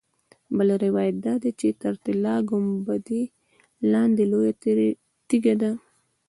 بل روایت دا دی چې تر طلایي ګنبدې لاندې لویه تیږه ده.